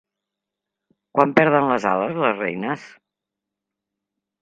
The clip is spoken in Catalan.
Quan perden les ales les reines?